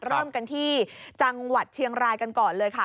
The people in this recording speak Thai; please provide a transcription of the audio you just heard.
เริ่มกันที่จังหวัดเชียงรายกันก่อนเลยค่ะ